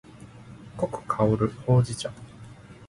濃く香るほうじ茶